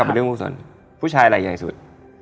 ผู้ชายอะไรใหญ่สุด